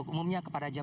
umumnya kepada jaman